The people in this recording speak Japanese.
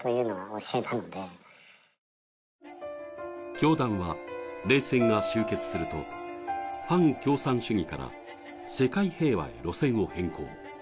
教団は冷戦が終結すると反共産主義から世界平和へ路線を変更。